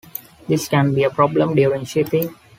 This can be a problem during shipping.